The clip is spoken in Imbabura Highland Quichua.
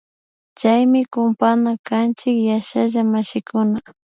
Chaymi kumpana kanchik yashalla mashikuna